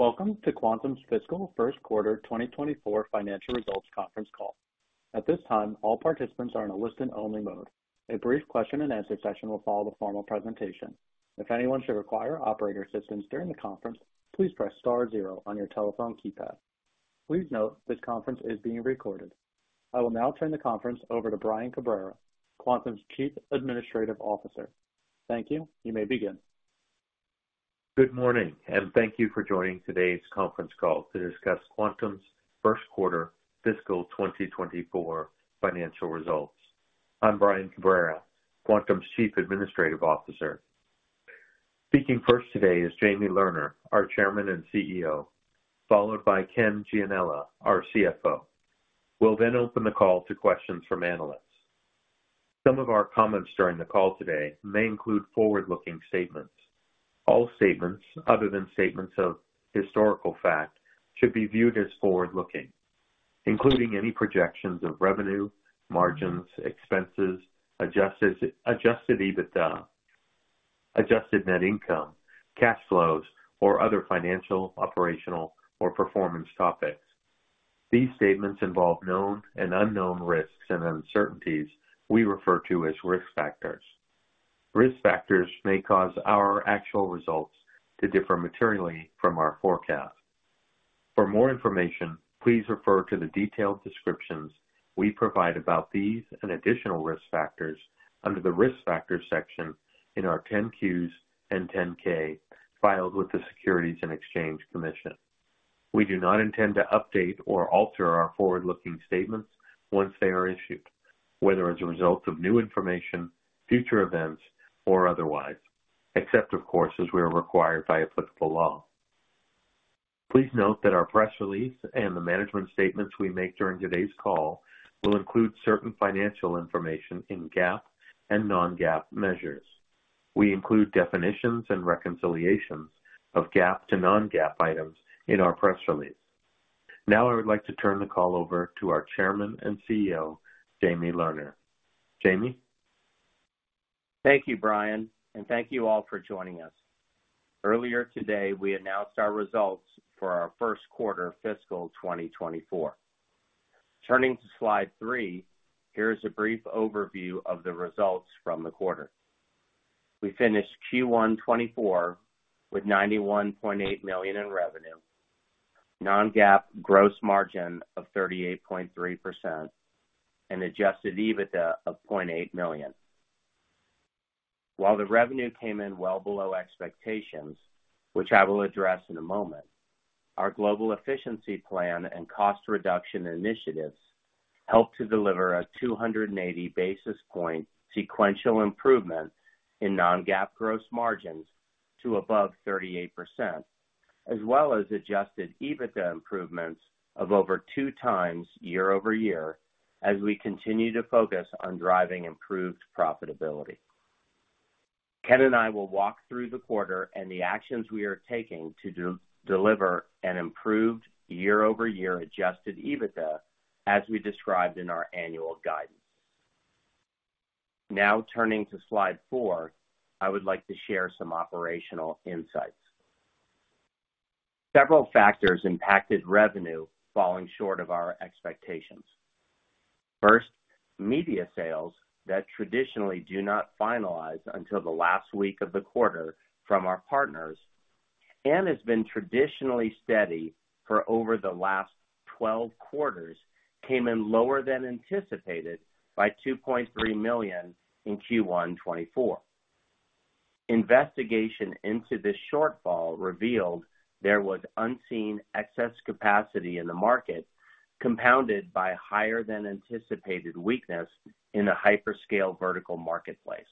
Welcome to Quantum's Fiscal First Quarter 2024 Financial Results Conference Call. At this time, all participants are in a listen-only mode. A brief question-and-answer session will follow the formal presentation. If anyone should require operator assistance during the conference, please press star zero on your telephone keypad. Please note, this conference is being recorded. I will now turn the conference over to Brian Cabrera, Quantum's Chief Administrative Officer. Thank you. You may begin. Good morning, and thank you for joining today's conference call to discuss Quantum's first quarter fiscal 2024 financial results. I'm Brian Cabrera, Quantum's Chief Administrative Officer. Speaking first today is Jamie Lerner our Chairman and CEO, followed by Ken Gianella, our CFO. We'll then open the call to questions from analysts. Some of our comments during the call today may include forward-looking statements. All statements, other than statements of historical fact, should be viewed as forward-looking, including any projections of revenue, margins, expenses, adjusted EBITDA, adjusted net income, cash flows, or other financial, operational, or performance topics. These statements involve known and unknown risks and uncertainties we refer to as risk factors. Risk factors may cause our actual results to differ materially from our forecast. For more information, please refer to the detailed descriptions we provide about these and additional risk factors under the Risk Factors section in our 10-Qs and 10-K filed with the Securities and Exchange Commission. We do not intend to update or alter our forward-looking statements once they are issued, whether as a result of new information, future events, or otherwise, except, of course, as we are required by applicable law. Please note that our press release and the management statements we make during today's call will include certain financial information in GAAP and non-GAAP measures. We include definitions and reconciliations of GAAP to non-GAAP items in our press release. Now, I would like to turn the call over to our Chairman and CEO, Jamie Lerner. Jamie? Thank you, Brian. Thank you all for joining us. Earlier today, we announced our results for our first quarter fiscal 2024. Turning to slide three, here's a brief overview of the results from the quarter. We finished Q1 2024 with $91.8 million in revenue, non-GAAP gross margin of 38.3%, and adjusted EBITDA of $0.8 million. While the revenue came in well below expectations, which I will address in a moment, our global efficiency plan and cost reduction initiatives helped to deliver a 280 basis point sequential improvement in non-GAAP gross margins to above 38%, as well as adjusted EBITDA improvements of over 2x year-over-year as we continue to focus on driving improved profitability. Ken and I will walk through the quarter and the actions we are taking to deliver an improved year-over-year adjusted EBITDA, as we described in our annual guidance. Now, turning to slide four, I would like to share some operational insights. Several factors impacted revenue, falling short of our expectations. First, media sales that traditionally do not finalize until the last week of the quarter from our partners, and has been traditionally steady for over the last 12 quarters, came in lower than anticipated by $2.3 million in Q1 2024. Investigation into this shortfall revealed there was unseen excess capacity in the market, compounded by higher than anticipated weakness in the hyperscale vertical marketplace.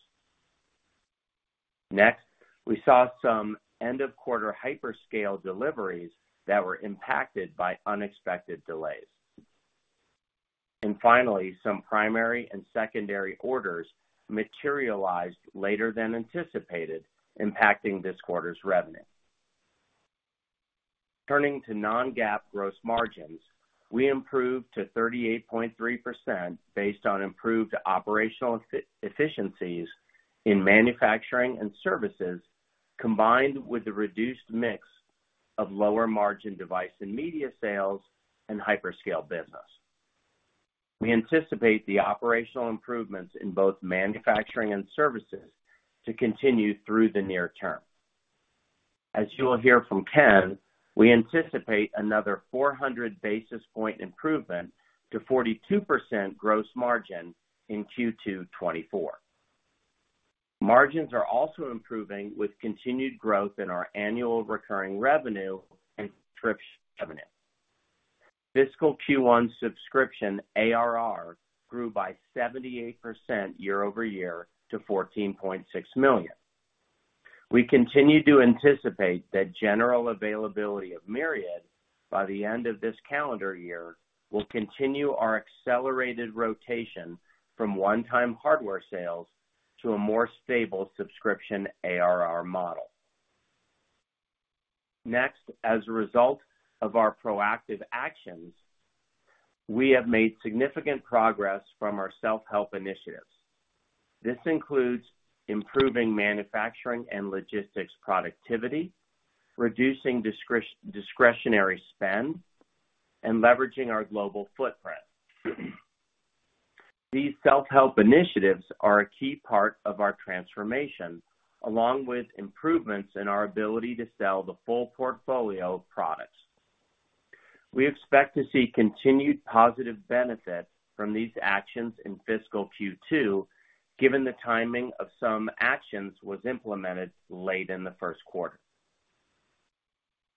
Next, we saw some end-of-quarter hyperscale deliveries that were impacted by unexpected delays. Finally, some primary and secondary orders materialized later than anticipated, impacting this quarter's revenue. Turning to non-GAAP gross margins, we improved to 38.3% based on improved operational efficiencies in manufacturing and services, combined with the reduced mix of lower margin device and media sales and hyperscale business. We anticipate the operational improvements in both manufacturing and services to continue through the near term. As you will hear from Ken, we anticipate another 400 basis point improvement to 42% gross margin in Q2 2024. Margins are also improving with continued growth in our annual recurring revenue and subscription revenue. Fiscal Q1 subscription ARR grew by 78% year-over-year to $14.6 million. We continue to anticipate that general availability of Myriad by the end of this calendar year will continue our accelerated rotation from one-time hardware sales to a more stable subscription ARR model. Next, as a result of our proactive actions. We have made significant progress from our self-help initiatives. This includes improving manufacturing and logistics productivity, reducing discretionary spend, and leveraging our global footprint. These self-help initiatives are a key part of our transformation, along with improvements in our ability to sell the full portfolio of products. We expect to see continued positive benefit from these actions in fiscal Q2, given the timing of some actions was implemented late in the first quarter.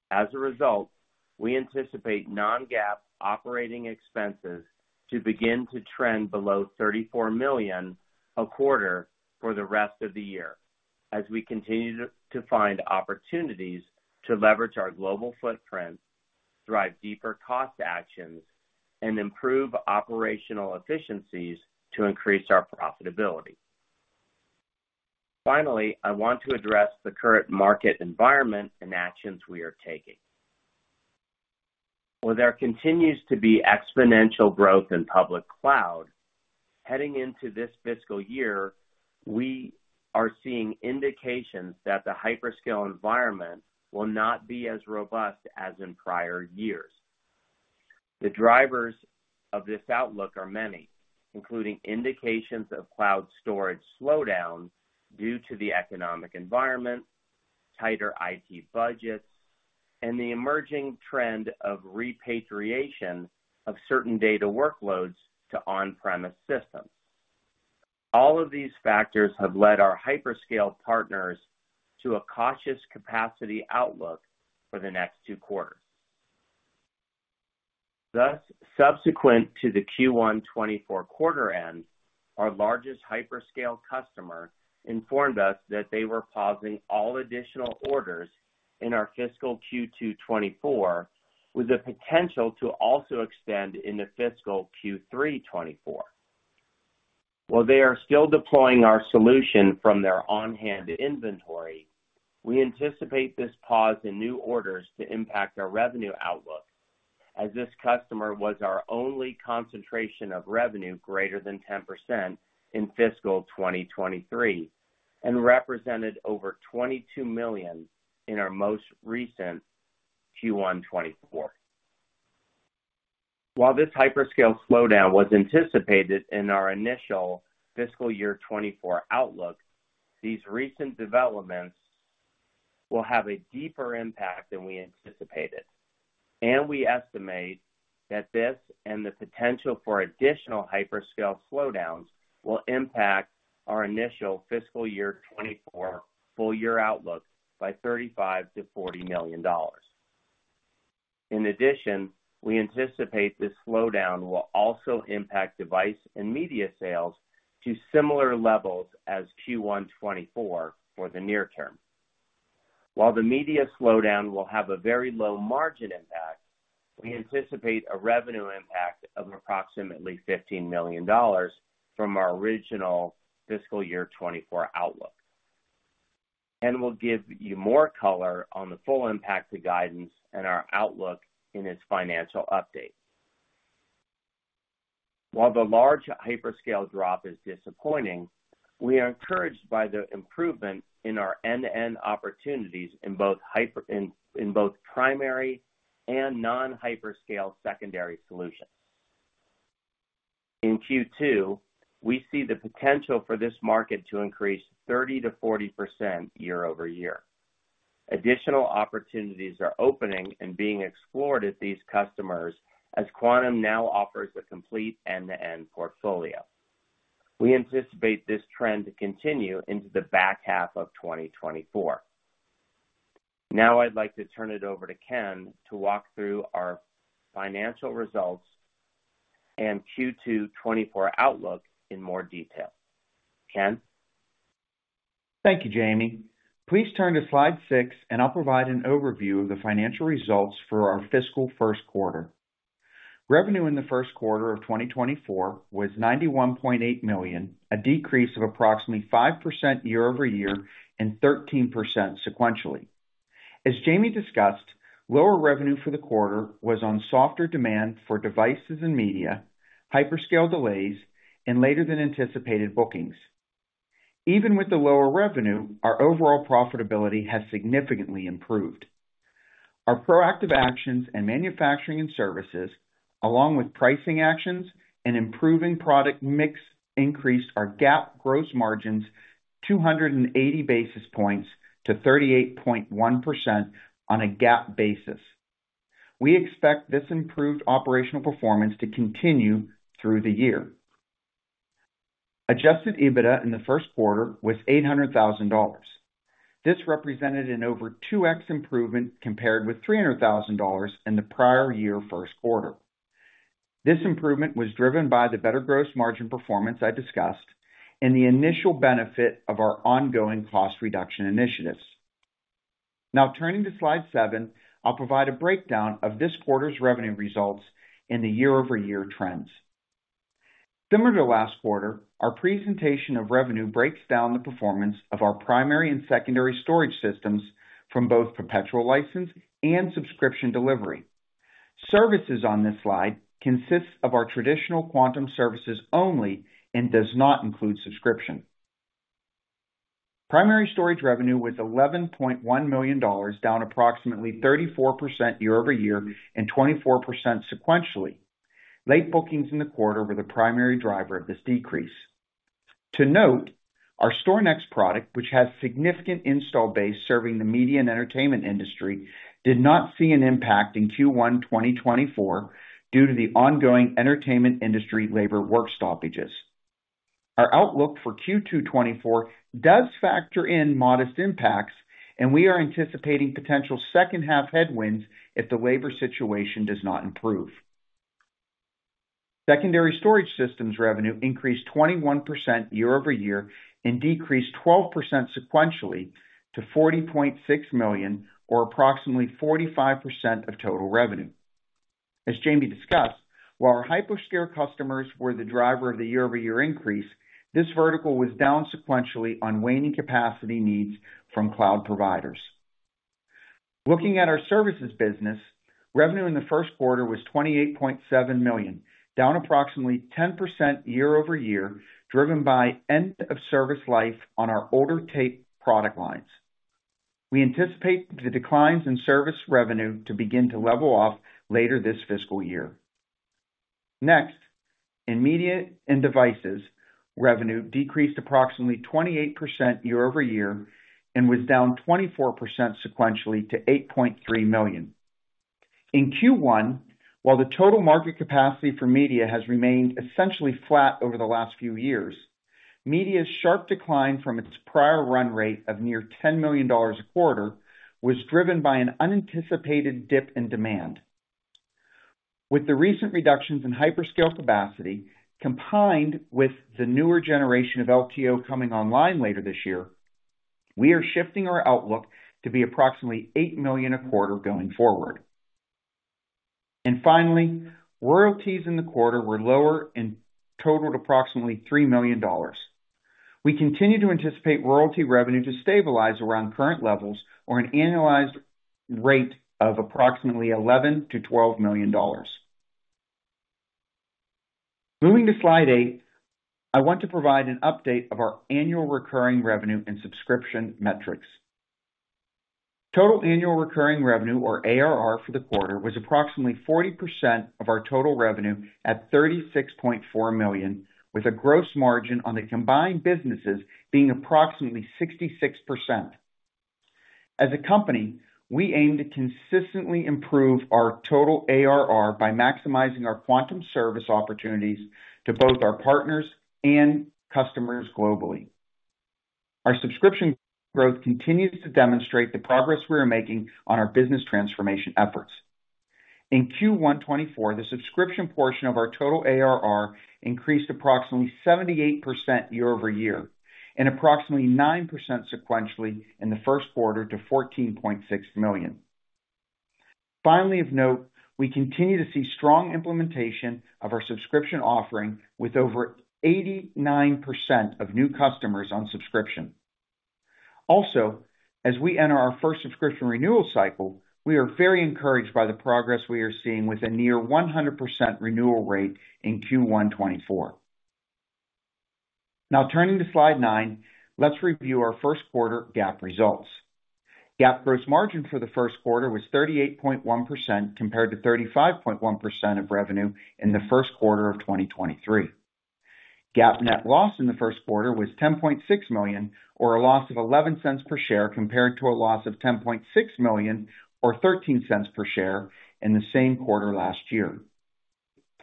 As a result, we anticipate non-GAAP operating expenses to begin to trend below $34 million a quarter for the rest of the year, as we continue to find opportunities to leverage our global footprint, drive deer cost actions, and improve operational efficiencies to increase our profitability. Finally, I want to address the current market environment and actions we are taking. Where there continues to be exponential growth in public cloud, heading into this fiscal year, we are seeing indications that the hyperscale environment will not be as robust as in prior years. The drivers of this outlook are many, including indications of cloud storage slowdown due to the economic environment, tighter IT budgets, and the emerging trend of repatriation of certain data workloads to on-premise systems. All of these factors have led our hyperscale partners to a cautious capacity outlook for the next two quarters. Thus, subsequent to the Q1 2024 quarter end, our largest hyperscale customer informed us that they were pausing all additional orders in our fiscal Q2 2024, with the potential to also extend into fiscal Q3 2024. While they are still deploying our solution from their on-hand inventory, we anticipate this pause in new orders to impact our revenue outlook, as this customer was our only concentration of revenue greater than 10% in fiscal 2023, and represented over $22 million in our most recent Q1 2024. While this hyperscale slowdown was anticipated in our initial fiscal year 2024 outlook, these recent developments will have a deeper impact than we anticipated, and we estimate that this and the potential for additional hyperscale slowdowns will impact our initial fiscal year 2024 full year outlook by $35 million-$40 million. In addition, we anticipate this slowdown will also impact device and media sales to similar levels as Q1 2024 for the near term. While the media slowdown will have a very low margin impact, we anticipate a revenue impact of approximately $15 million from our original fiscal year 2024 outlook. We'll give you more color on the full impact to guidance and our outlook in its financial update. While the large hyperscale drop is disappointing, we are encouraged by the improvement in our end-to-end opportunities in both primary and non-hyperscale secondary solutions. In Q2, we see the potential for this market to increase 30%-40% year-over-year. Additional opportunities are opening and being explored at these customers, as Quantum now offers a complete end-to-end portfolio. We anticipate this trend to continue into the back half of 2024. Now I'd like to turn it over to Ken to walk through our financial results and Q2 2024 outlook in more detail. Ken? Thank you, Jamie. Please turn to slide six, and I'll provide an overview of the financial results for our fiscal first quarter. Revenue in the first quarter of 2024 was $91.8 million, a decrease of approximately 5% year-over-year and 13% sequentially. As Jamie discussed, lower revenue for the quarter was on softer demand for devices and media, hyperscale delays, and later than anticipated bookings. Even with the lower revenue, our overall profitability has significantly improved. Our proactive actions in manufacturing and services, along with pricing actions and improving product mix, increased our GAAP gross margins 280 basis points to 38.1% on a GAAP basis. We expect this improved operational performance to continue through the year. Adjusted EBITDA in the first quarter was $800,000. This represented an over 2x improvement, compared with $300,000 in the prior year first quarter. This improvement was driven by the better gross margin performance I discussed and the initial benefit of our ongoing cost reduction initiatives. Turning to slide seven, I'll provide a breakdown of this quarter's revenue results and the year-over-year trends. Similar to last quarter, our presentation of revenue breaks down the performance of our primary and secondary storage systems from both perpetual license and subscription delivery. Services on this slide consists of our traditional Quantum services only and does not include subscription. Primary storage revenue was $11.1 million, down approximately 34% year-over-year and 24% sequentially. Late bookings in the quarter were the primary driver of this decrease. To note, our StorNext product, which has significant install base serving the media and entertainment industry, did not see an impact in Q1 2024 due to the ongoing entertainment industry labor work stoppages. Our outlook for Q2 2024 does factor in modest impacts, and we are anticipating potential second half headwinds if the labor situation does not improve. Secondary storage systems revenue increased 21% year-over-year and decreased 12% sequentially to $40.6 million or approximately 45% of total revenue. As Jamie discussed, while our hyperscale customers were the driver of the year-over-year increase, this vertical was down sequentially on waning capacity needs from cloud providers. Looking at our services business, revenue in the first quarter was $28.7 million, down approximately 10% year-over-year, driven by end of service life on our older tape product lines. We anticipate the declines in service revenue to begin to level off later this fiscal year. In media and devices, revenue decreased approximately 28% year-over-year and was down 24% sequentially to $8.3 million. In Q1, while the total market capacity for media has remained essentially flat over the last few years, media's sharp decline from its prior run rate of near $10 million a quarter was driven by an unanticipated dip in demand. With the recent reductions in hyperscale capacity, combined with the newer generation of LTO coming online later this year, we are shifting our outlook to be approximately $8 million a quarter going forward. Finally, royalties in the quarter were lower and totaled approximately $3 million. We continue to anticipate royalty revenue to stabilize around current levels or an annualized rate of approximately $11 million-$12 million. Moving to slide eight, I want to provide an update of our annual recurring revenue and subscription metrics. Total annual recurring revenue, or ARR, for the quarter was approximately 40% of our total revenue at $36.4 million, with a gross margin on the combined businesses being approximately 66%. As a company, we aim to consistently improve our total ARR by maximizing our Quantum service opportunities to both our partners and customers globally. Our subscription growth continues to demonstrate the progress we are making on our business transformation efforts. In Q1 2024, the subscription portion of our total ARR increased approximately 78% year-over-year and approximately 9% sequentially in the first quarter to $14.6 million. Finally, of note, we continue to see strong implementation of our subscription offering, with over 89% of new customers on subscription. As we enter our first subscription renewal cycle, we are very encouraged by the progress we are seeing with a near 100% renewal rate in Q1 2024. Turning to slide nine, let's review our first quarter GAAP results. GAAP gross margin for the first quarter was 38.1%, compared to 35.1% of revenue in the first quarter of 2023. GAAP net loss in the first quarter was $10.6 million, or a loss of $0.11 per share, compared to a loss of $10.6 million, or $0.13 per share in the same quarter last year.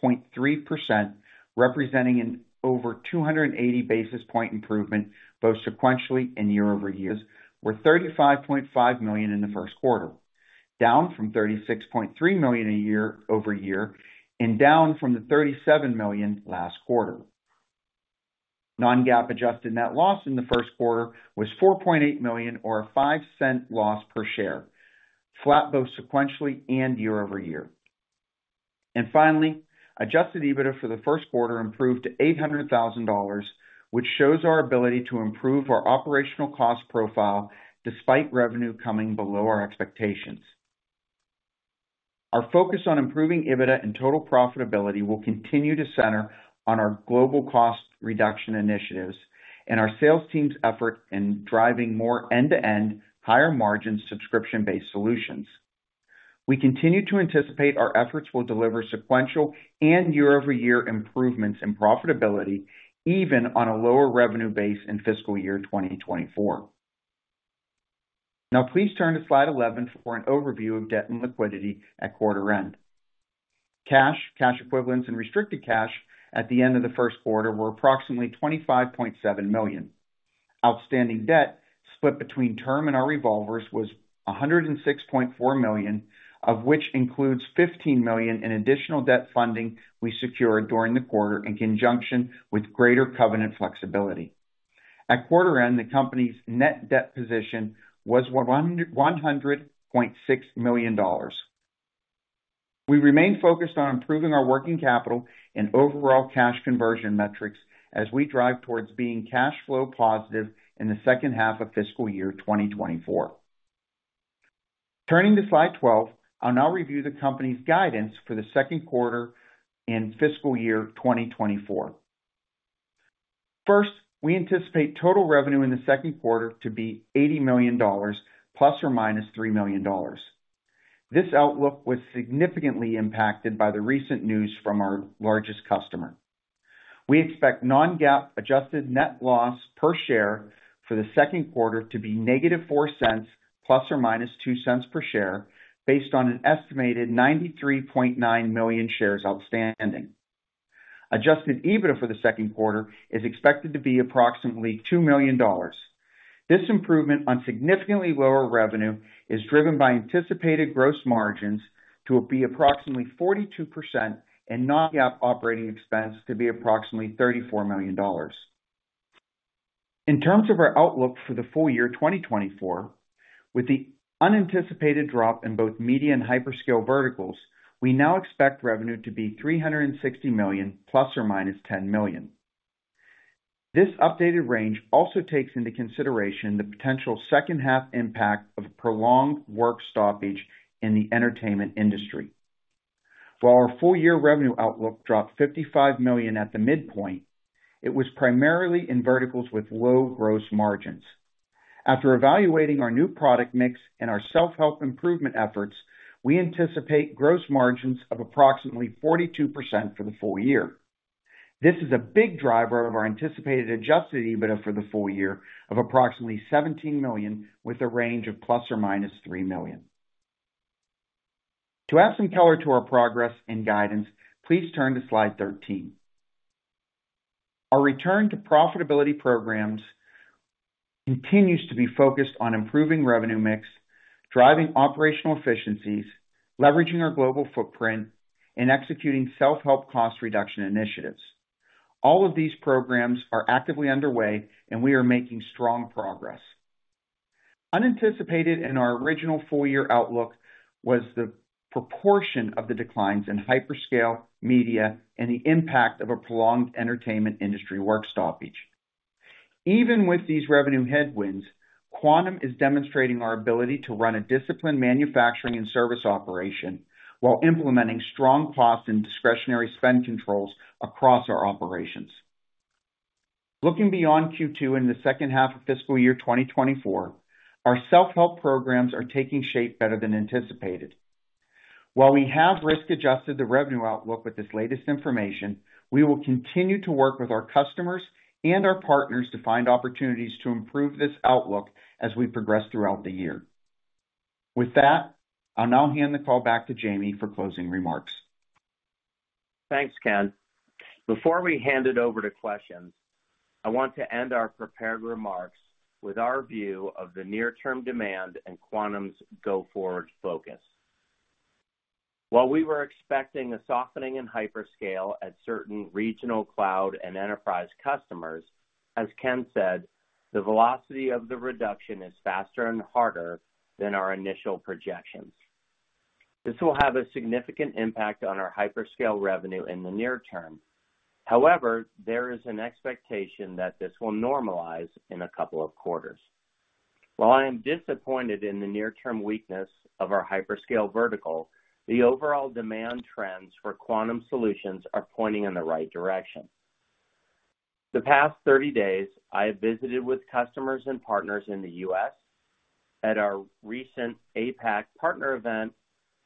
0.3%, representing an over 280 basis point improvement, both sequentially and year-over-year, were $35.5 million in the first quarter, down from $36.3 million year-over-year and down from the $37 million last quarter. non-GAAP adjusted net loss in the first quarter was $4.8 million, or a $0.05 loss per share, flat, both sequentially and year-over-year. Finally, adjusted EBITDA for the first quarter improved to $800,000, which shows our ability to improve our operational cost profile despite revenue coming below our expectations. Our focus on improving EBITDA and total profitability will continue to center on our global cost reduction initiatives and our sales team's effort in driving more end-to-end, higher margin subscription-based solutions. We continue to anticipate our efforts will deliver sequential and year-over-year improvements in profitability, even on a lower revenue base in fiscal year 2024. Now, please turn to slide 11 for an overview of debt and liquidity at quarter end. Cash, cash equivalents and restricted cash at the end of the first quarter were approximately $25.7 million. Outstanding debt, split between term and our revolvers, was $106.4 million, of which includes $15 million in additional debt funding we secured during the quarter in conjunction with greater covenant flexibility. At quarter end, the company's net debt position was $100.6 million. We remain focused on improving our working capital and overall cash conversion metrics as we drive towards being cash flow positive in the second half of fiscal year 2024. Turning to slide 12, I'll now review the company's guidance for the second quarter in fiscal year 2024. First, we anticipate total revenue in the second quarter to be $80 million, ±$3 million. This outlook was significantly impacted by the recent news from our largest customer. We expect non-GAAP adjusted net loss per share for the second quarter to be negative $0.04, ±$0.02 per share, based on an estimated 93.9 million shares outstanding. Adjusted EBITDA for the second quarter is expected to be approximately $2 million. This improvement on significantly lower revenue is driven by anticipated gross margins to be approximately 42% and non-GAAP operating expense to be approximately $34 million. In terms of our outlook for the full year 2024, with the unanticipated drop in both media and hyperscale verticals, we now expect revenue to be $360 million, ±$10 million. This updated range also takes into consideration the potential second half impact of prolonged work stoppage in the entertainment industry. While our full-year revenue outlook dropped $55 million at the midpoint, it was primarily in verticals with low gross margins. After evaluating our new product mix and our self-help improvement efforts, we anticipate gross margins of approximately 42% for the full year. This is a big driver of our anticipated adjusted EBITDA for the full year of approximately $17 million, with a range of ±$3 million. To add some color to our progress and guidance, please turn to slide 13. Our return to profitability programs continues to be focused on improving revenue mix, driving operational efficiencies, leveraging our global footprint, and executing self-help cost reduction initiatives. All of these programs are actively underway and we are making strong progress. Unanticipated in our original full-year outlook was the proportion of the declines in hyperscale, media, and the impact of a prolonged entertainment industry work stoppage. Even with these revenue headwinds, Quantum is demonstrating our ability to run a disciplined manufacturing and service operation while implementing strong costs and discretionary spend controls across our operations. Looking beyond Q2 in the second half of fiscal year 2024, our self-help programs are taking shape better than anticipated. While we have risk-adjusted the revenue outlook with this latest information, we will continue to work with our customers and our partners to find opportunities to improve this outlook as we progress throughout the year. With that, I'll now hand the call back to Jamie for closing remarks. Thanks, Ken. Before we hand it over to questions, I want to end our prepared remarks with our view of the near-term demand and Quantum's go-forward focus. While we were expecting a softening in hyperscale at certain regional cloud and enterprise customers, as Ken said, the velocity of the reduction is faster and harder than our initial projections. This will have a significant impact on our hyperscale revenue in the near term. There is an expectation that this will normalize in a couple of quarters. While I am disappointed in the near-term weakness of our hyperscale vertical, the overall demand trends for Quantum solutions are pointing in the right direction. The past 30 days, I have visited with customers and partners in the U.S. at our recent APAC partner event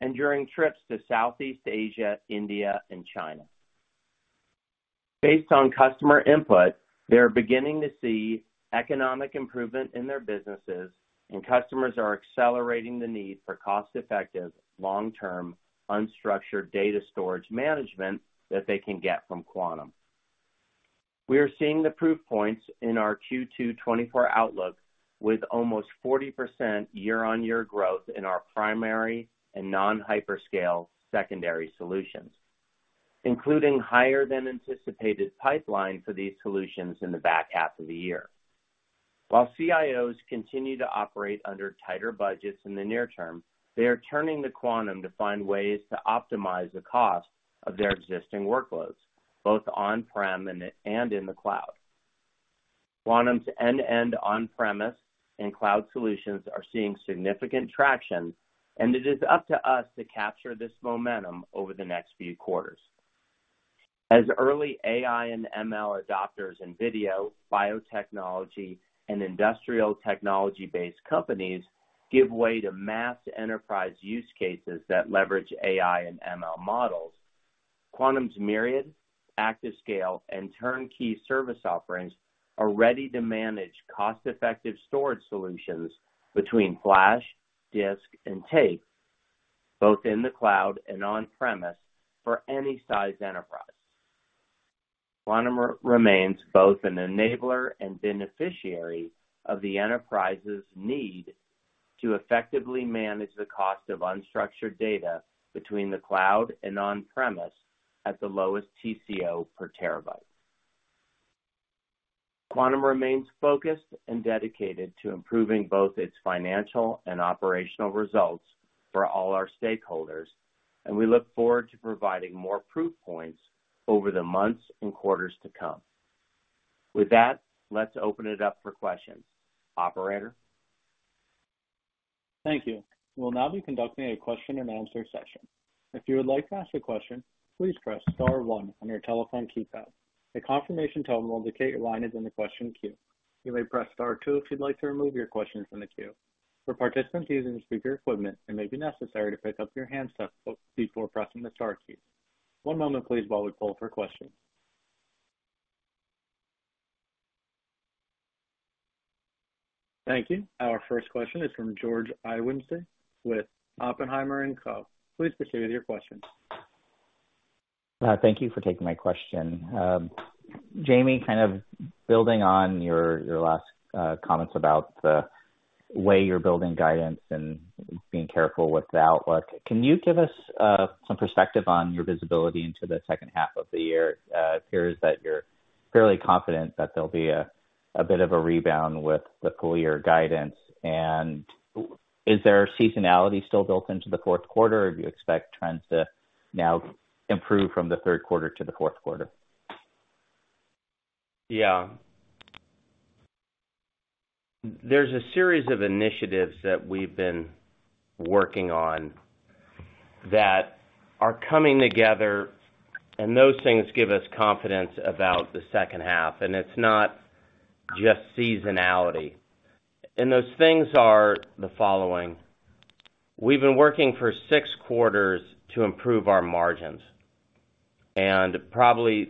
and during trips to Southeast Asia, India, and China. Based on customer input, they are beginning to see economic improvement in their businesses, and customers are accelerating the need for cost-effective, long-term, unstructured data storage management that they can get from Quantum. We are seeing the proof points in our Q2 2024 outlook, with almost 40% year-over-year growth in our primary and non-hyperscale secondary solutions, including higher than anticipated pipeline for these solutions in the back half of the year. While CIOs continue to operate under tighter budgets in the near term, they are turning to Quantum to find ways to optimize the cost of their existing workloads, both on-prem and in the cloud. Quantum's end-to-end on-premise and cloud solutions are seeing significant traction, and it is up to us to capture this momentum over the next few quarters. As early AI and ML adopters in video, biotechnology, and industrial technology-based companies give way to mass enterprise use cases that leverage AI and ML models, Quantum's Myriad ActiveScale and turnkey service offerings are ready to manage cost-effective storage solutions between flash, disk, and tape, both in the cloud and on-premise, for any size enterprise. Quantum remains both an enabler and beneficiary of the enterprise's need to effectively manage the cost of unstructured data between the cloud and on-premise at the lowest TCO per terabyte. Quantum remains focused and dedicated to improving both its financial and operational results for all our stakeholders. We look forward to providing more proof points over the months and quarters to come. With that, let's open it up for questions. Operator? Thank you. We'll now be conducting a question and answer session. If you would like to ask a question, please press star one on your telephone keypad. A confirmation tone will indicate your line is in the question queue. You may press star two if you'd like to remove your question from the queue. For participants using speaker equipment, it may be necessary to pick up your handset before pressing the star key. One moment please, while we pull for questions. Thank you. Our first question is from George Iwanyc with Oppenheimer & Co. Please proceed with your question. Thank you for taking my question. Jamie, kind of building on your last comments about the way you're building guidance and being careful with the outlook, can you give us some perspective on your visibility into the second half of the year? It appears that you're fairly confident that there'll be a bit of a rebound with the full year guidance. Is there seasonality still built into the fourth quarter, or do you expect trends to now improve from the third quarter to the fourth quarter? Yeah. There's a series of initiatives that we've been working on that are coming together, those things give us confidence about the second half, and it's not just seasonality. Those things are the following: We've been working for six quarters to improve our margins, and probably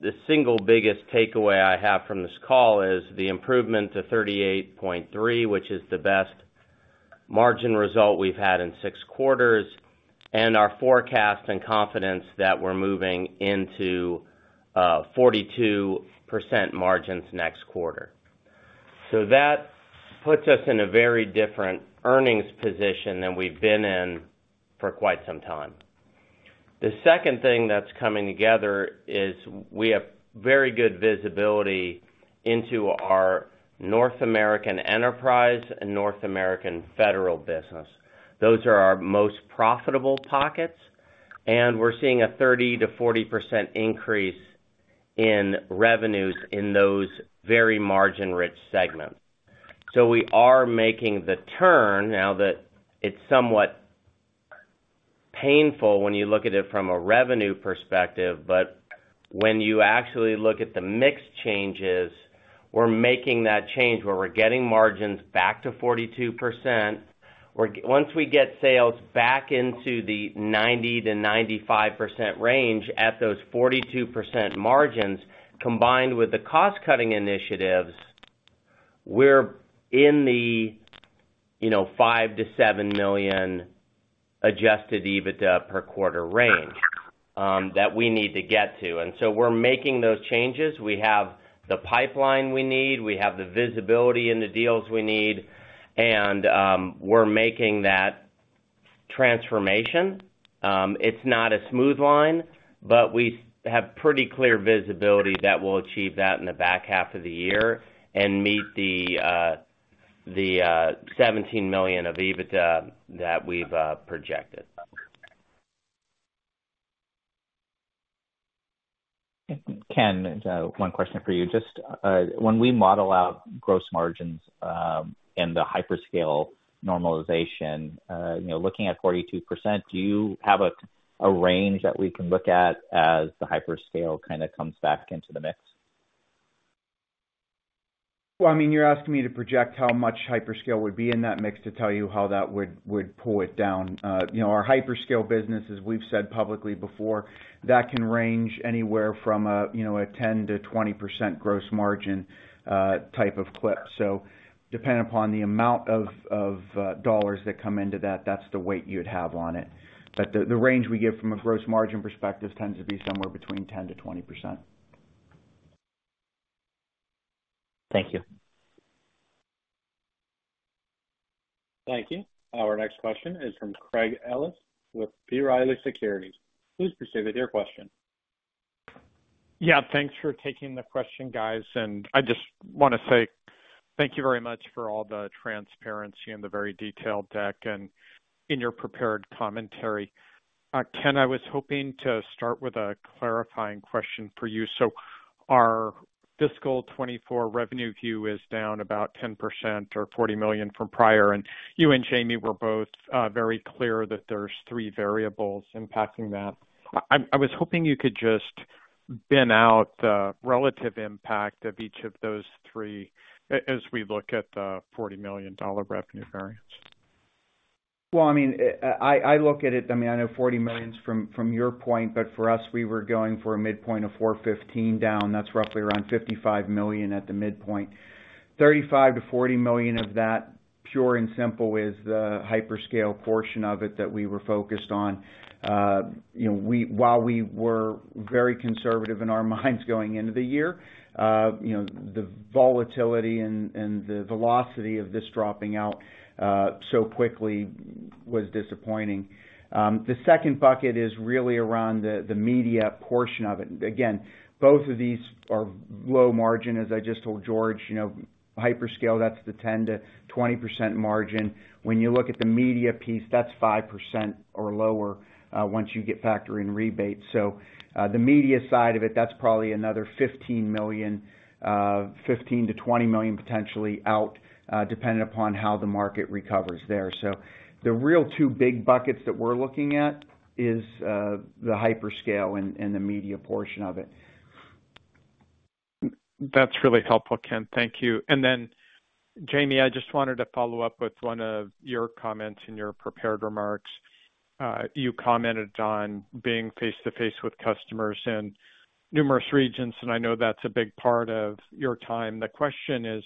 the single biggest takeaway I have from this call is the improvement to 38.3%, which is the best margin result we've had in six quarters, and our forecast and confidence that we're moving into 42% margins next quarter. That puts us in a very different earnings position than we've been in for quite some time. The second thing that's coming together is, we have very good visibility into our North American enterprise and North American federal business. Those are our most profitable pockets, and we're seeing a 30%-40% increase in revenues in those very margin-rich segments. We are making the turn now that it's somewhat painful when you look at it from a revenue perspective, but when you actually look at the mix changes, we're making that change where we're getting margins back to 42%. We're. Once we get sales back into the 90%-95% range at those 42% margins, combined with the cost-cutting initiatives, we're in the, you know, $5 million-$7 million adjusted EBITDA per quarter range that we need to get to. We're making those changes. We have the pipeline we need, we have the visibility in the deals we need, and we're making that transformation. It's not a smooth line, but we have pretty clear visibility that we'll achieve that in the back half of the year and meet the $17 million of EBITDA that we've projected. Ken, one question for you. Just, when we model out gross margins, and the hyperscale normalization, you know, looking at 42%, do you have a range that we can look at as the hyperscale kind of comes back into the mix? Well, I mean, you're asking me to project how much hyperscale would be in that mix, to tell you how that would, would pull it down. You know, our hyperscale business, as we've said publicly before, that can range anywhere from a, you know, a 10%-20% gross margin type of clip. Depending upon the amount of dollars that come into that, that's the weight you'd have on it. The range we give from a gross margin perspective tends to be somewhere between 10%-20%. Thank you. Thank you. Our next question is from Craig Ellis with B. Riley Securities. Please proceed with your question. Yeah, thanks for taking the question, guys. I just wanna say thank you very much for all the transparency and the very detailed deck and in your prepared commentary. Ken, I was hoping to start with a clarifying question for you. Our fiscal 2024 revenue view is down about 10% or $40 million from prior, and you and Jamie were both very clear that there's three variables impacting that. I was hoping you could just bin out the relative impact of each of those three as we look at the $40 million revenue variance. Well, I mean, I, I look at it. I mean, I know $40 million's from, from your point, for us, we were going for a midpoint of $415 down. That's roughly around $55 million at the midpoint. $35 million-$40 million of that, pure and simple, is the hyperscale portion of it that we were focused on. You know, we while we were very conservative in our minds, going into the year, you know, the volatility and the velocity of this dropping out so quickly was disappointing. The second bucket is really around the media portion of it. Again, both of these are low margin, as I just told George, you know, hyperscale, that's the 10%-20% margin. When you look at the media piece, that's 5% or lower, once you get factor in rebates. The media side of it, that's probably another $15 million, $15 million-$20 million, potentially out, depending upon how the market recovers there. The real two big buckets that we're looking at is the hyperscale and the media portion of it. That's really helpful, Ken. Thank you. Then, Jamie, I just wanted to follow up with one of your comments in your prepared remarks. You commented on being face-to-face with customers in numerous regions, and I know that's a big part of your time. The question is,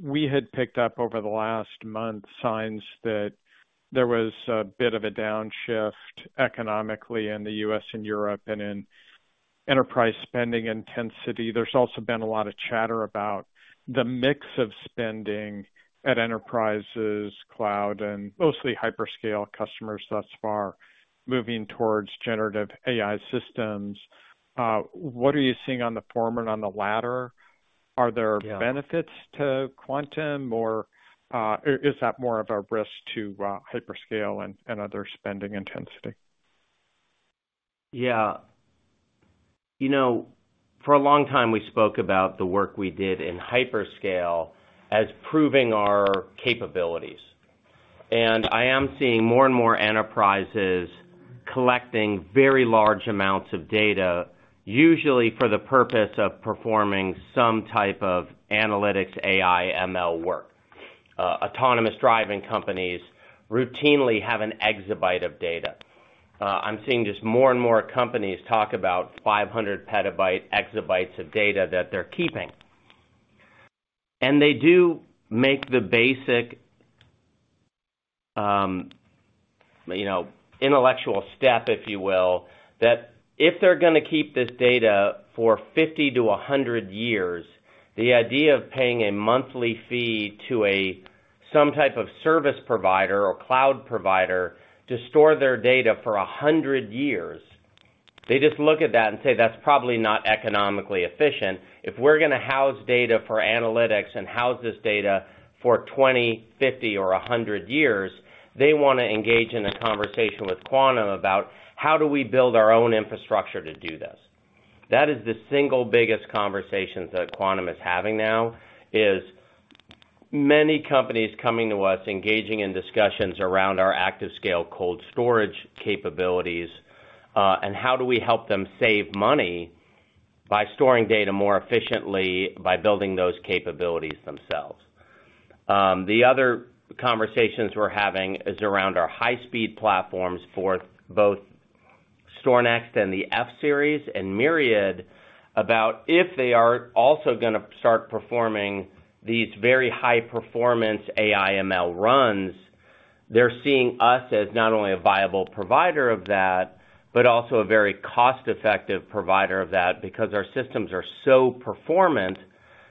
we had picked up over the last month signs that there was a bit of a downshift economically in the U.S. and Europe and in enterprise spending intensity. There's also been a lot of chatter about the mix of spending at enterprises, cloud, and mostly hyperscale customers thus far, moving towards generative AI systems. What are you seeing on the former and on the latter? Are there... Yeah... benefits to Quantum, or, is that more of a risk to hyperscale and, and other spending intensity? Yeah. You know, for a long time, we spoke about the work we did in hyperscale as proving our capabilities, and I am seeing more and more enterprises collecting very large amounts of data, usually for the purpose of performing some type of analytics AI, ML work. Autonomous driving companies routinely have an exabyte of data. I'm seeing just more and more companies talk about 500 petabyte, exabytes of data that they're keeping. They do make the basic, you know, intellectual step, if you will, that if they're gonna keep this data for 50 to 100 years, the idea of paying a monthly fee to a, some type of service provider or cloud provider to store their data for 100 years, they just look at that and say, "That's probably not economically efficient." If we're gonna house data for analytics and house this data for 20, 50, or 100 years, they want to engage in a conversation with Quantum about how do we build our own infrastructure to do this? That is the single biggest conversations that Quantum is having now, is many companies coming to us, engaging in discussions around our ActiveScale Cold Storage capabilities, and how do we help them save money by storing data more efficiently, by building those capabilities themselves. The other conversations we're having is around our high-speed platforms for both StorNext and the F-Series and Myriad, about if they are also gonna start performing these very high-performance AI, ML runs, they're seeing us as not only a viable provider of that, but also a very cost-effective provider of that, because our systems are so performant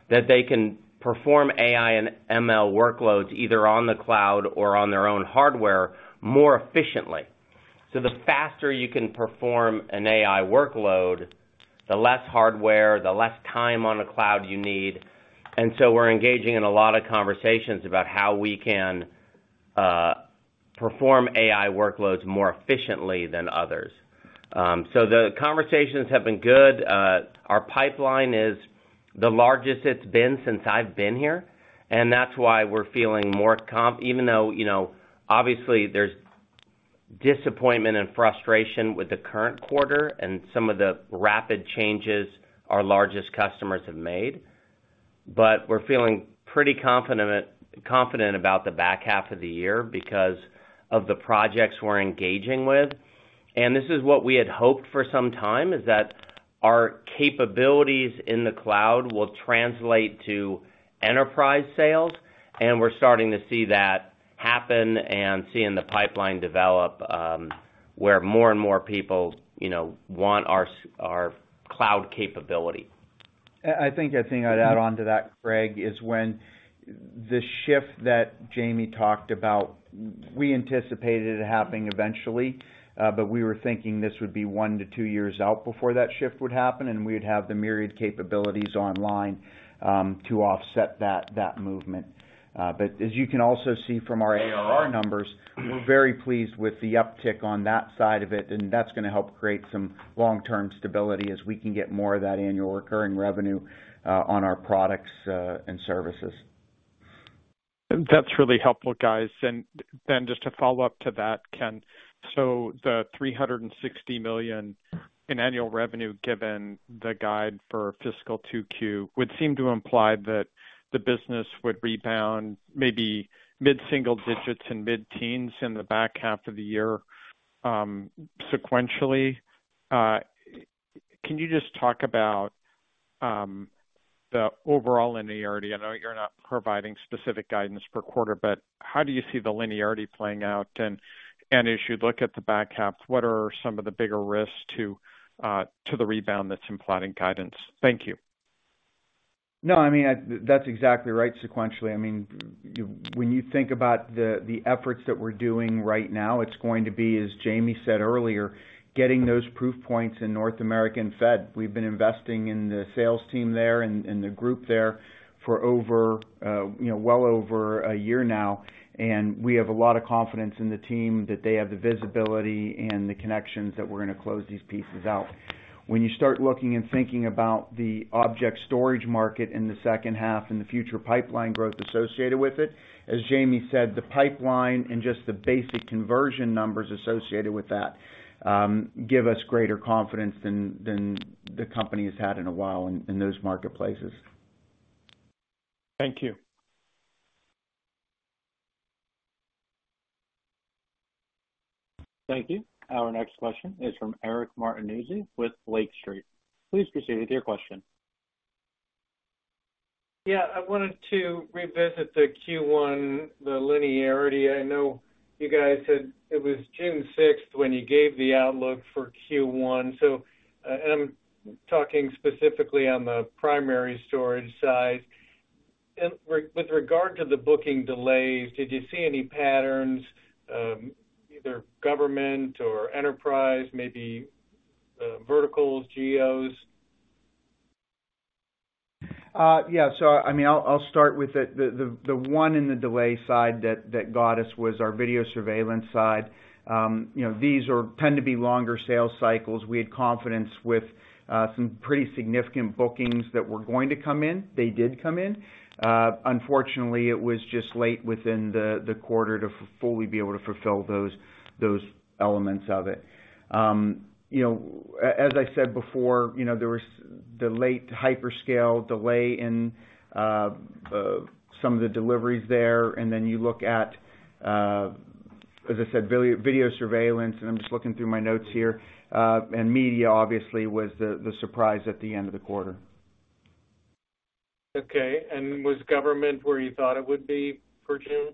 that they can perform AI and ML workloads, either on the cloud or on their own hardware, more efficiently. The faster you can perform an AI workload, the less hardware, the less time on the cloud you need. We're engaging in a lot of conversations about how we can perform AI workloads more efficiently than others. The conversations have been good. Our pipeline is the largest it's been since I've been here, and that's why we're feeling more even though, you know, obviously there's disappointment and frustration with the current quarter and some of the rapid changes our largest customers have made. We're feeling pretty confident, confident about the back half of the year because of the projects we're engaging with. This is what we had hoped for some time, is that our capabilities in the cloud will translate to enterprise sales. We're starting to see that happen and seeing the pipeline develop, where more and more people, you know, want our cloud capability. I think, a thing I'd add on to that, Craig, is when the shift that Jamie talked about, we anticipated it happening eventually, but we were thinking this would be one to two years out before that shift would happen, and we'd have the Myriad capabilities online, to offset that, that movement. As you can also see from our ARR numbers, we're very pleased with the uptick on that side of it, and that's gonna help create some long-term stability as we can get more of that annual recurring revenue on our products and services. That's really helpful, guys. Then just to follow up to that, Ken, so the $360 million in annual revenue, given the guide for fiscal 2Q, would seem to imply that the business would rebound maybe mid-single digits and mid-teens in the back half of the year, sequentially. Can you just talk about the overall linearity? I know you're not providing specific guidance per quarter, but how do you see the linearity playing out? As you look at the back half, what are some of the bigger risks to the rebound that's implied in guidance? Thank you. No, I mean, that's exactly right, sequentially. I mean, when you think about the efforts that we're doing right now, it's going to be, as Jamie said earlier, getting those proof points in North American fed. We've been investing in the sales team there and the group there for over, you know, well over a year now, and we have a lot of confidence in the team that they have the visibility and the connections that we're going to close these pieces out. When you start looking and thinking about the object storage market in the second half and the future pipeline growth associated with it, as Jamie said, the pipeline and just the basic conversion numbers associated with that, give us greater confidence than, than the company has had in a while in, in those marketplaces. Thank you. Thank you. Our next question is from Eric Martinuzzi with Lake Street. Please proceed with your question. Yeah, I wanted to revisit the Q1, the linearity. I know you guys said it was June sixth when you gave the outlook for Q1. I'm talking specifically on the primary storage side. With, with regard to the booking delays, did you see any patterns, either government or enterprise, maybe, verticals, geos? Yeah. I mean, I'll, I'll start with the one in the delay side that got us was our video surveillance side. You know, these are tend to be longer sales cycles. We had confidence with some pretty significant bookings that were going to come in. They did come in. Unfortunately, it was just late within the quarter to fully be able to fulfill those elements of it. You know, as I said before, you know, there was the late hyperscale delay in some of the deliveries there, and then you look at, as I said, video, video surveillance, and I'm just looking through my notes here, and media obviously, was the surprise at the end of the quarter. Okay. Was government where you thought it would be for June?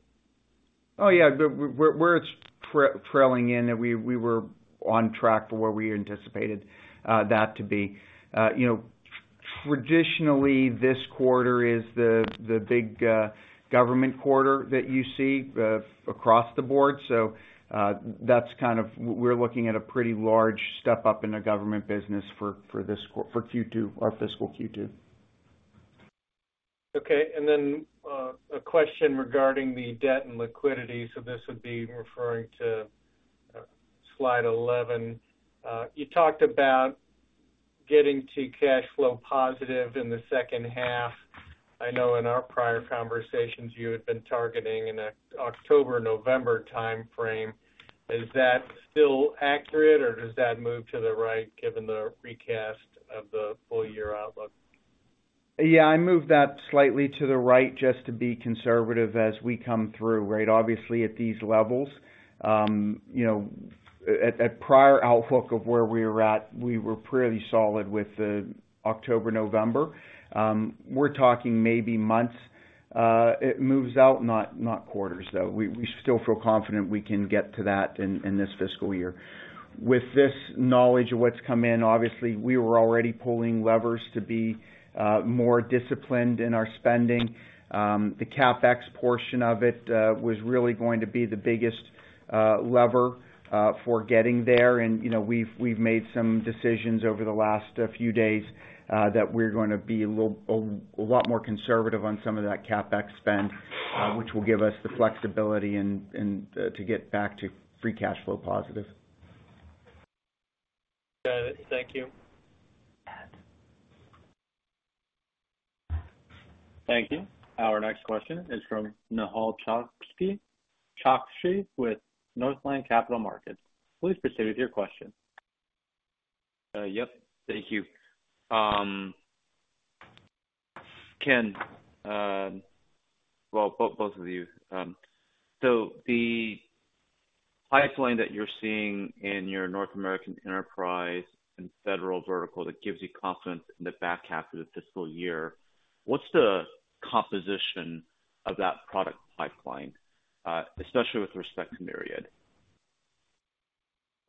Oh, yeah. Where, where it's trailing in, we, we were on track for where we anticipated that to be. You know, traditionally, this quarter is the, the big, government quarter that you see, across the board. That's. We're looking at a pretty large step up in the government business for, for this quarter- for Q2, our fiscal Q2. Okay. A question regarding the debt and liquidity. This would be referring to slide 11. You talked about getting to cash flow positive in the second half. I know in our prior conversations you had been targeting in a October, November time frame. Is that still accurate, or does that move to the right, given the recast of the full year outlook? I moved that slightly to the right, just to be conservative as we come through, right? Obviously, at these levels, you know, at, at prior outlook of where we were at, we were pretty solid with the October, November. We're talking maybe months, it moves out, not, not quarters, though. We, we still feel confident we can get to that in, in this fiscal year. With this knowledge of what's come in, obviously, we were already pulling levers to be more disciplined in our spending. The CapEx portion of it was really going to be the biggest lever for getting there. You know, we've, we've made some decisions over the last few days, that we're going to be a lot more conservative on some of that CapEx spend, which will give us the flexibility and, and to get back to free cash flow positive. Got it. Thank you. Thank you. Our next question is from Nehal Chokshi, with Northland Capital Markets. Please proceed with your question. Yep. Thank you. Ken, well, both, both of you. The pipeline that you're seeing in your North American enterprise and federal vertical, that gives you confidence in the back half of the fiscal year, what's the composition of that product pipeline, especially with respect to Myriad?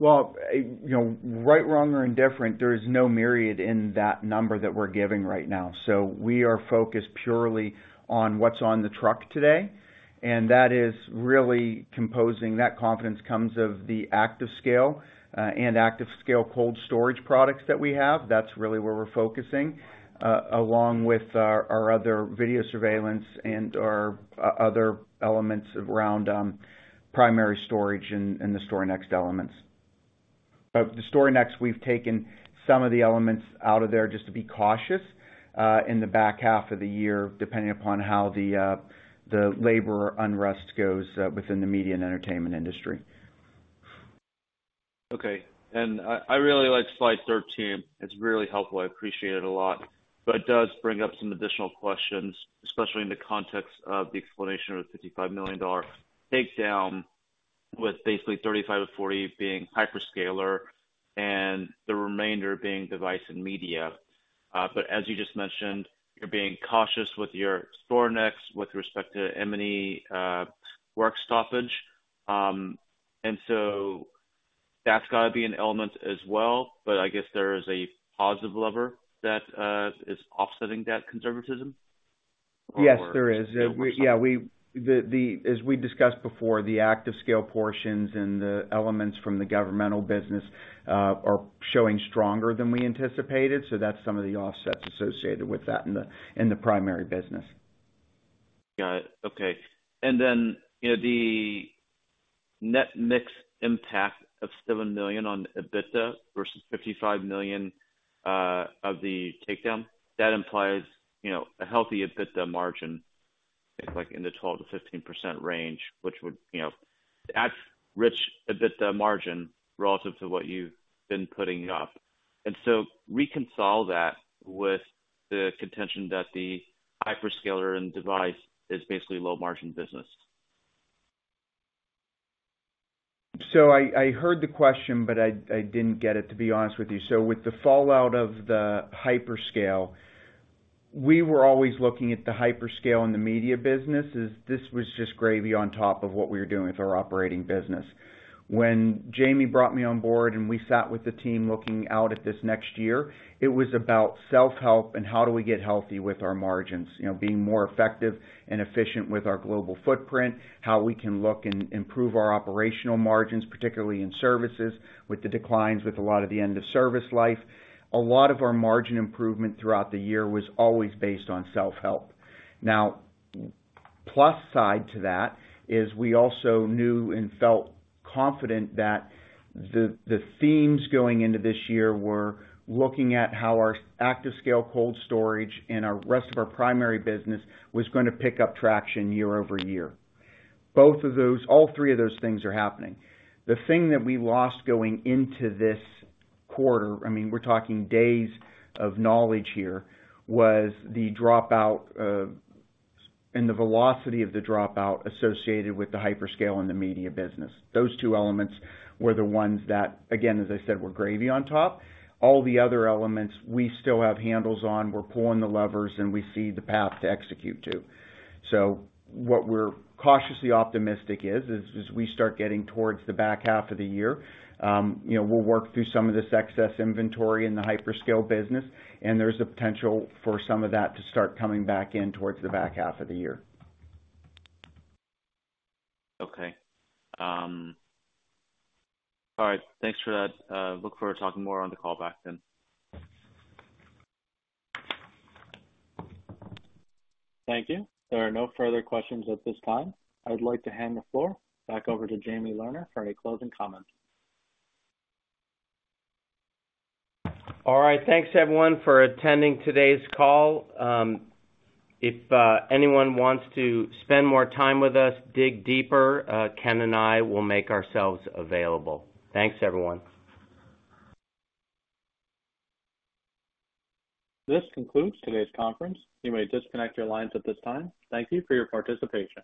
You know, right, wrong, or indifferent, there is no Myriad in that number that we're giving right now. We are focused purely on what's on the truck today, and that is really composing... That confidence comes of the ActiveScale and ActiveScale Cold Storage products that we have. That's really where we're focusing, along with our, our other video surveillance and our other elements around, primary storage and, and the StorNext elements. The StorNext, we've taken some of the elements out of there just to be cautious, in the back half of the year, depending upon how the labor unrest goes, within the media and entertainment industry. Okay. I, I really like slide 13. It's really helpful. I appreciate it a lot, but it does bring up some additional questions, especially in the context of the explanation of the $55 million takedown, with basically 35-40 being hyperscaler and the remainder being device and media. As you just mentioned, you're being cautious with your StorNext with respect to M&E work stoppage. So- That's got to be an element as well, but I guess there is a positive lever that is offsetting that conservatism? Yes, there is. As we discussed before, the ActiveScale portions and the elements from the governmental business are showing stronger than we anticipated. That's some of the offsets associated with that in the primary business. Got it. Okay. Then, you know, the net mix impact of $7 million on EBITDA versus $55 million of the takedown, that implies, you know, a healthy EBITDA margin, like in the 12%-15% range, which would, you know, that's rich EBITDA margin relative to what you've been putting up. Reconcile that with the contention that the hyperscaler and device is basically low-margin business. I, I heard the question, but I, I didn't get it, to be honest with you. With the fallout of the hyperscale, we were always looking at the hyperscale in the media business, as this was just gravy on top of what we were doing with our operating business. When Jamie brought me on board, and we sat with the team looking out at this next year, it was about self-help and how do we get healthy with our margins, you know, being more effective and efficient with our global footprint, how we can look and improve our operational margins, particularly in services, with the declines, with a lot of the end of service life. A lot of our margin improvement throughout the year was always based on self-help. Plus side to that is we also knew and felt confident that the, the themes going into this year were looking at how our ActiveScale Cold Storage and our rest of our primary business was gonna pick up traction year over year. Both of those, all three of those things are happening. The thing that we lost going into this quarter, I mean, we're talking days of knowledge here, was the dropout and the velocity of the dropout associated with the hyperscale and the media business. Those two elements were the ones that, again, as I said, were gravy on top. All the other elements we still have handles on. We're pulling the levers, and we see the path to execute to. What we're cautiously optimistic is, is, is we start getting towards the back half of the year. You know, we'll work through some of this excess inventory in the hyperscale business, and there's a potential for some of that to start coming back in towards the back half of the year. Okay. All right, thanks for that. Look forward to talking more on the call back then. Thank you. There are no further questions at this time. I would like to hand the floor back over to Jamie Lerner for any closing comments. All right. Thanks, everyone, for attending today's call. If anyone wants to spend more time with us, dig deeper, Ken and I will make ourselves available. Thanks, everyone. This concludes today's conference. You may disconnect your lines at this time. Thank you for your participation.